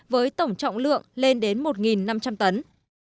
với tổng trọng lượng lên đến một năm trăm linh tấn